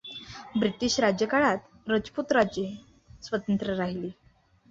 British राज्यकाळात रजपूत राज्ये स्वतंत्र राहिली.